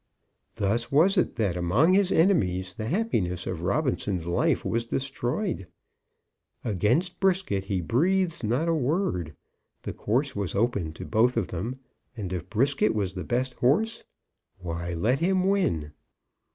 Thus was it that among his enemies the happiness of Robinson's life was destroyed. Against Brisket he breathes not a word. The course was open to both of them; and if Brisket was the best horse, why, let him win!